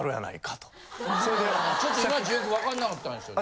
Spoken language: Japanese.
ちょっとイマイチよく分かんなかったんですよね。